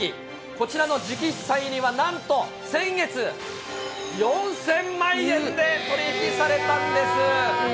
こちらの直筆サイン入りはなんと先月、４０００万円で取り引きされたんです。